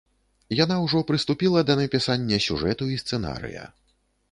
Яна ўжо прыступіла да напісання сюжэту і сцэнарыя.